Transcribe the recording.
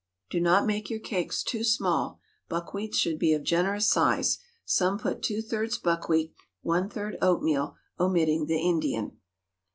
Do not make your cakes too small. Buckwheats should be of generous size. Some put two thirds buckwheat, one third oat meal, omitting the Indian.